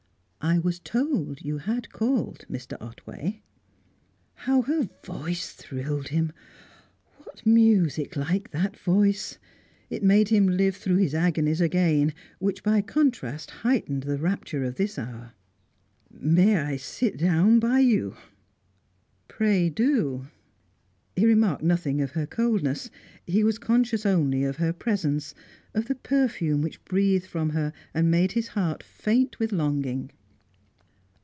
"I was told you had called, Mr. Otway." How her voice thrilled him! What music like that voice! It made him live through his agonies again, which by contrast heightened the rapture of this hour. "May I sit down by you?" "Pray do." He remarked nothing of her coldness; he was conscious only of her presence, of the perfume which breathed from her and made his heart faint with longing.